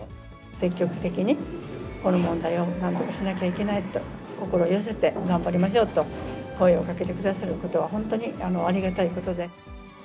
積極的にこの問題をなんとかしなきゃいけないと、心を寄せて頑張りましょうと、声をかけてくださることは本当にありがたいことで。